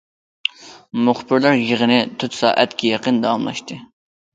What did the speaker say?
مۇخبىرلار يىغىنى تۆت سائەتكە يېقىن داۋاملاشتى.